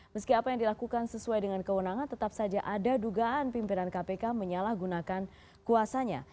meski apa yang dilakukan sesuai dengan kewenangan tetap saja ada dugaan pimpinan kpk menyalahgunakan kuasanya